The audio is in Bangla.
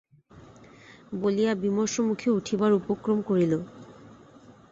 বলিয়া বিমর্ষমুখে উঠিবার উপক্রম করিল।